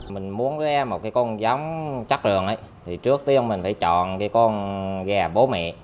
mình muốn ra một con giống chắc lượng thì trước tiên mình phải chọn con gà bố mẹ